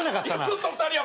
ずっと２人や！